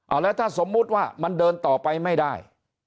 แล้วถ้าสมมุติว่ามันเดินต่อไปไม่ได้